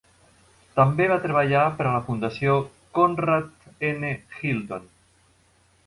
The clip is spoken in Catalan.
També va treballar per a la Fundació Conrad N. Hilton.